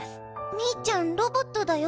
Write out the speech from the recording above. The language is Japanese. ミーちゃんロボットだよ？